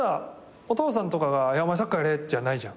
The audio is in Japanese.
お父さんとかが「お前サッカーやれ」じゃないじゃん。